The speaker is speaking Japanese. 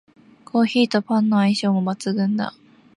コーヒーとパンの相性も抜群だ